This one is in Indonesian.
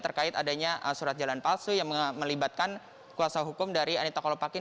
terkait adanya surat jalan palsu yang melibatkan kuasa hukum dari anita kolopakin